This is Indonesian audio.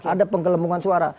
ada penggelembungan suara